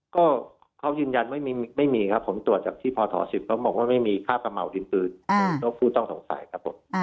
ก็เขายืนยันไม่มีครับผมตรวจจากที่พศ๑๐เขาบอกว่าไม่มีค่ากระเห่าดินปืนก็ผู้ต้องสงสัยครับผม